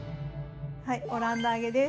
オランダ揚げです。